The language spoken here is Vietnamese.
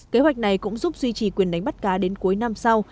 kế hoạch này cũng giúp duy trì quyền đánh bắt cá đến cuối năm sau